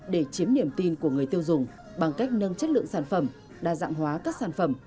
để chiếm niềm tin của người tiêu dùng bằng cách nâng chất lượng sản phẩm đa dạng hóa các sản phẩm